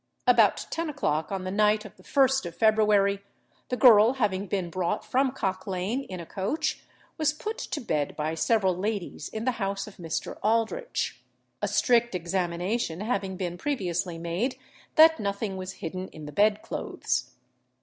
About ten o'clock on the night of the first of February, the girl having been brought from Cock Lane in a coach, was put to bed by several ladies in the house of Mr. Aldritch; a strict examination having been previously made that nothing was hidden in the bed clothes.